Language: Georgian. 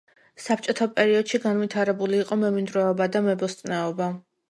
საბჭოთა პერიოდში გავითარებული იყო მემინდვრეობა და მებოსტნეობა.